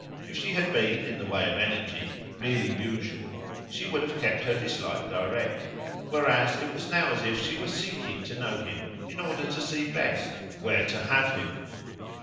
If she had been, in the way of energy, merely usual she would have kept her dislike direct; whereas it was now as if she were seeking to know him in order to see best where to "have" him.